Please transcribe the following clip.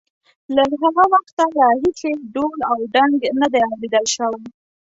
له هغه وخته راهیسې ډول او ډنګ نه دی اورېدل شوی.